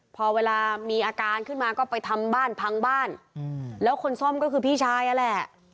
พอเวลามีอาการขึ้นมาก็ไปทำบ้านพังบ้านแล้วคนซ่อมก็คือพี่ชายนั่นแหละ